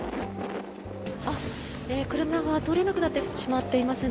車が通れなくなってしまっていますね。